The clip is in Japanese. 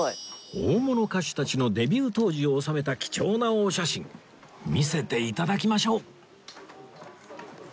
大物歌手たちのデビュー当時を収めた貴重なお写真見せて頂きましょう